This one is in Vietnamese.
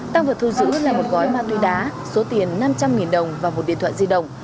tăng vật thu giữ là một gói ma túy đá số tiền năm trăm linh đồng và một điện thoại di động